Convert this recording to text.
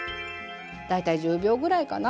大体１０秒ぐらいかな。